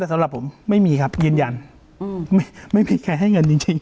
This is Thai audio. แต่สำหรับผมไม่มีครับยืนยันไม่มีใครให้เงินจริง